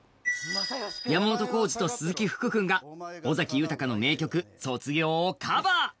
山本耕史と鈴木福君が尾崎豊の名曲、「卒業」をカバー。